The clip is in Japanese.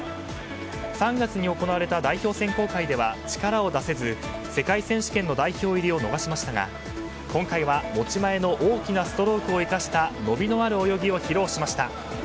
３月に行われた代表選考会では力を出せず世界選手権の代表入りを逃しましたが今回は持ち前の大きなストロークを生かした伸びのある泳ぎを披露しました。